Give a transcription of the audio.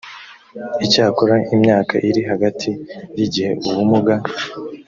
icyakora imyaka iri hagati y igihe ubumuga